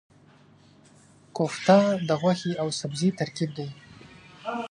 کوفته د غوښې او سبزي ترکیب دی.